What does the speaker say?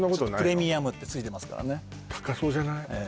プレミアムってついてますからね高そうじゃない？